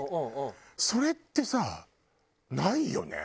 それってさないよね？